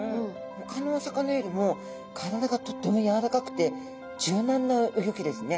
ほかのお魚よりも体がとっても柔らかくて柔軟なうギョきですね。